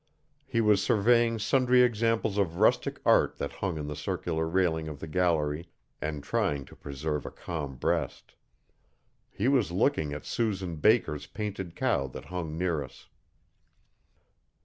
He was surveying sundry examples of rustic art that hung on the circular railing of the gallery and trying to preserve a calm breast. He was looking at Susan Baker's painted cow that hung near us.